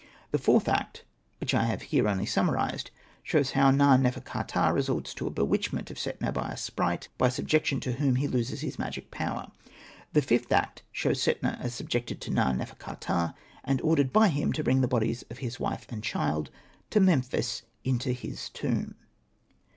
The fourth act — which I have here only sum marised — shows how Na.nefer.ka.ptah resorts to a bewitchment of Setna by a sprite, by subjection to whom he loses his magic power. The fifth act shows Setna as subjected to Na.nefer.ka.ptah, and ordered by him to bring the bodies of his wife and child to Memphis into his tomb.